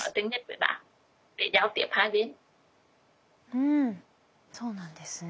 うんそうなんですね。